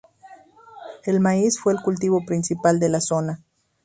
El maíz fue el cultivo principal de la zona.